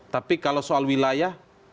tapi kalau soal wilayah